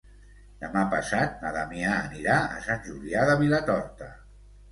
Demà passat na Damià anirà a Sant Julià de Vilatorta.